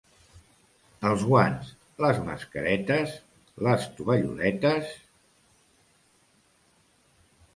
Els guants, les mascaretes, les tovalloletes...